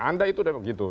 anda itu udah begitu